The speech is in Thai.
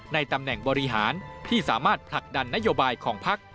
ตำแหน่งบริหารที่สามารถผลักดันนโยบายของพัก